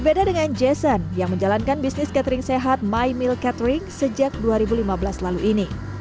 berbeda dengan jason yang menjalankan bisnis catering sehat my meal catering sejak dua ribu lima belas lalu ini